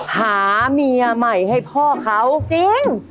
หาเมียใหม่ให้พ่อเขาจริง